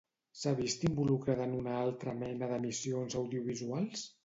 S'ha vist involucrada en una altra mena d'emissions audiovisuals?